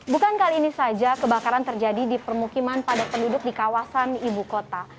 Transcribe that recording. bukan kali ini saja kebakaran terjadi di permukiman padat penduduk di kawasan ibu kota